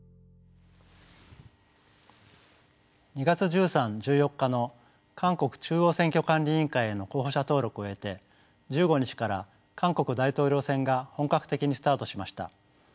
２月１３１４日の韓国中央選挙管理委員会への候補者登録を経て１５日から韓国大統領選が本格的にスタートしました。